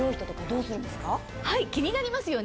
気になりますよね。